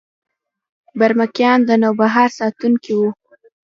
برمکیان د نوبهار ساتونکي وو